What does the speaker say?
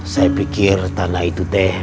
saya pikir tanah itu teh